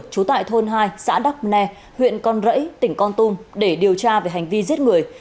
trú tại thôn hai xã đắc nê huyện con rẫy tỉnh con tum để điều tra về hành vi giết người